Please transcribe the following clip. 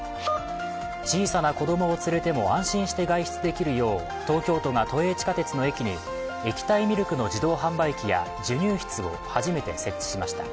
小さな子供を連れても安心して外出できるよう、東京都が都営地下鉄の駅に液体ミルクの自動販売機や授乳室を初めて設置しました。